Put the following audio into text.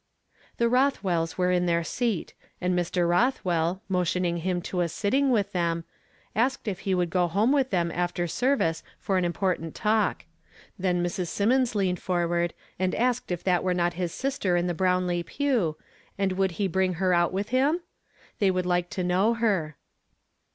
TJie Rothwells were in their seat; and Mr. Rothwell, motioning liim to a sitting with them, asked if he would go home with them after service for an important talk. Then IMrs. Symonds leaned forward and asked if that were not his sister in the Brownlee pew, and would he bring her out with him? They would like to know her.